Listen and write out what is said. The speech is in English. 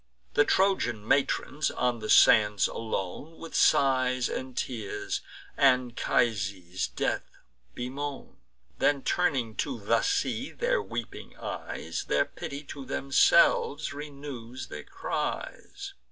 The Trojan matrons, on the sands alone, With sighs and tears Anchises' death bemoan; Then, turning to the sea their weeping eyes, Their pity to themselves renews their cries.